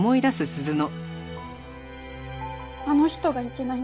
あの人がいけないんです。